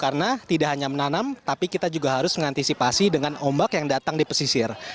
karena tidak hanya menanam tapi kita juga harus mengantisipasi dengan ombak yang datang di pesisir